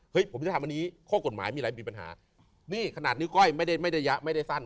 ผมจะทำอันนี้ข้อกฎหมายมีอะไรมีปัญหานี่ขนาดนิ้วก้อยไม่ได้ไม่ได้ยะไม่ได้สั้น